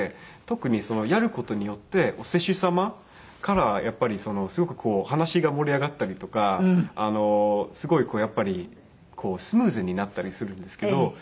特にやる事によってお施主様からやっぱりすごく話が盛り上がったりとかすごいやっぱりスムーズになったりするんですけど。